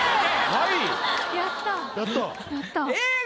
はい。